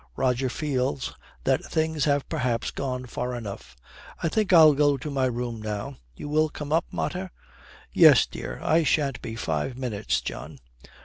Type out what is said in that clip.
Roger feels that things have perhaps gone far enough. 'I think I'll go to my room now. You will come up, mater?' 'Yes, dear. I shan't be five minutes, John.'